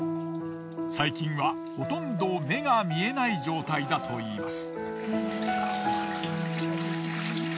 最近はほとんど目が見えない状態だといいます。